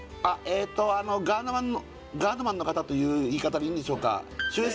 えとガードマンの「ガードマンの方」という言い方でいいんでしょうか？